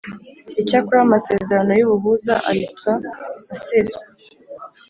Icyakora amasezerano y ubuhuza ahita aseswa